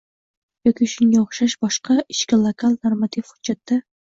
yoki shunga o‘xshash boshqa ichki lokal normativ hujjatda